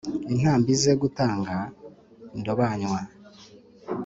Intambi ze gutanga indobanywa